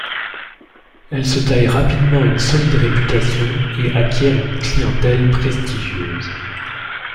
Elle se taille rapidement une solide réputation et acquiert une clientèle prestigieuse.